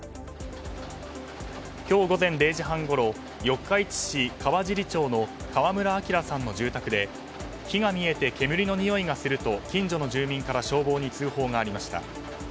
今日午前０時半ごろ四日市市川尻町の川村旭さんの住宅で火が見えて煙のにおいがすると近所の住民から消防に通報がありました。